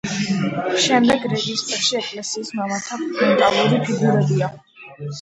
შემდეგ რეგისტრში ეკლესიის მამათა ფრონტალური ფიგურებია.